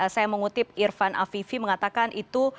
saya mengutip irfan afifi mengatakan itu